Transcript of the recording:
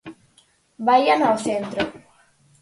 Vaian ao centro.